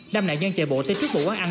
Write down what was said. năm nạn nhân chạy bộ tới trước bộ quán ăn